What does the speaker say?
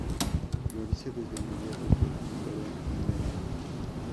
Florece desde mediados de primavera y en verano.